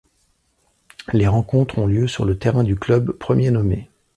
Les rencontres ont lieu sur le terrain du club premier nommé.